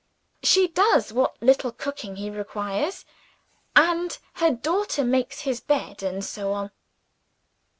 She does what little cooking he requires; and her daughter makes his bed, and so on.